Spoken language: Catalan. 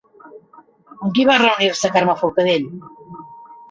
Amb qui va reunir-se Carme Forcadell?